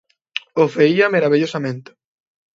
Ho feia meravellosament.